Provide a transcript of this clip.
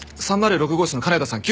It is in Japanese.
３０６号室の金田さん